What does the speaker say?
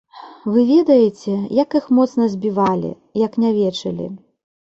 Вы ведаеце, як іх моцна збівалі, як нявечылі.